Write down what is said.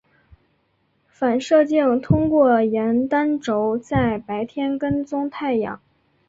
反射镜通过沿单轴在白天跟踪太阳。